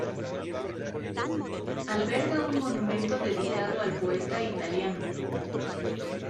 Alberga un monumento dedicado al poeta italiano.